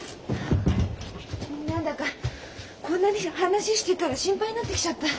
何だかこんな話してたら心配になってきちゃった。